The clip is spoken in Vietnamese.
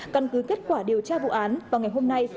căn cứ kết quả điều tra vụ án vào ngày hôm nay